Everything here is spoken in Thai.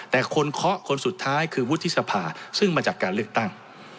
แต่คนเคาะคนสุดท้ายคือวุฒิสภาซึ่งมาจากการเลือกตั้ง